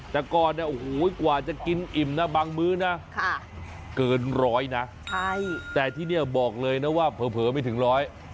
แต่ก่อนกว่าจะกินอิ่มบางมื้อเกินร้อยนะแต่ที่นี่บอกเลยนะว่าเผอไม่ถึงร้อย